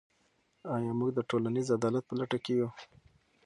آیا موږ د ټولنیز عدالت په لټه کې یو؟